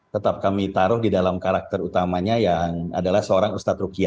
tetap kami taruh di dalam karakter utamanya yang adalah seorang ustadz rukya